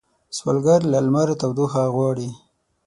سوالګر له لمر تودوخه غواړي